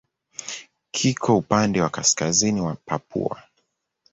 Kiko upande wa kaskazini wa Papua.